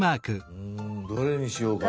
うんどれにしようかな。